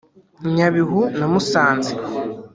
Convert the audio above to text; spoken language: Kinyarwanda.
Nyabihu na Musanze